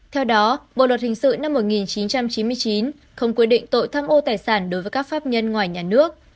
theo đó bộ luật hình sự năm một nghìn chín trăm chín mươi chín không quy định tội tham ô tài sản đối với các pháp nhân ngoài nhà nước